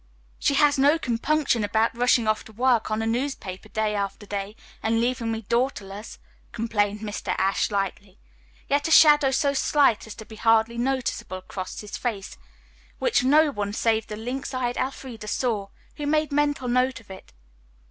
"She has no compunction about rushing off to work on a newspaper, day after day, and leaving me daughterless," complained Mr. Ashe lightly. Yet a shadow so slight as to be hardly noticeable crossed his face, which no one save the lynx eyed Elfreda saw, who made mental note of it.